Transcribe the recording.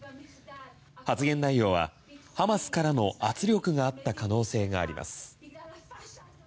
発言内容はハマスからの圧力があった可能性があります。